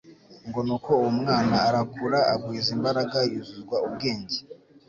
ngo: "Nuko uwo mwana arakura, agwiza imbaraga, yuzuzwa ubwenge.